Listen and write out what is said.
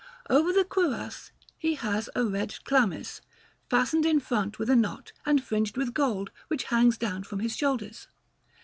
Over the cuirass he has a red chlamys, fastened in front with a knot, and fringed with gold, which hangs down from his shoulders.